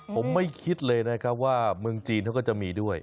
ผมไม่คิดเลยนะครับว่าเมืองจีนเขาก็จะมีด้วย